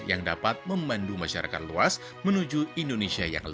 yang dapat memandu masyarakat luas menuju indonesia yang luas